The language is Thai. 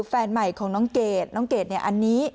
แฟนใหม่ของน้องเกดน้องเกดเนี่ยอันนี้